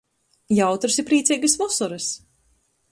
Jautrys i prīceigys vosorys!